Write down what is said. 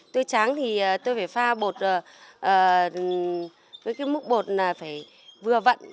tôi tráng thì tôi phải pha bột với cái múc bột là phải vừa vặn